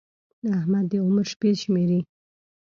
احمد د عمر شپې شمېري.